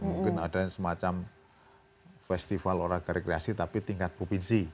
mungkin ada semacam festival olahraga rekreasi tapi tingkat provinsi